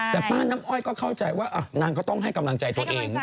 แต่ป้าน้ำอ้อยก็เข้าใจว่านางก็ต้องให้กำลังใจตัวเอง